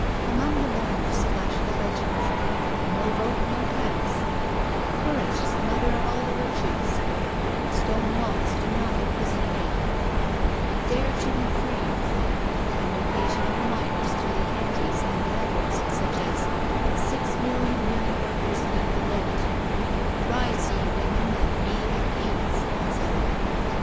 Among the banners flashed the legends, " No vote no tax/* " Courage is the mother of all the virtues/* " Stone walls do not a prison make/* "Dare to be free"; and occasional reminders to the " Antis " and laggards, such as :" Six million women workers need the vote,'* " Rise ye women that be at ease," etcetera.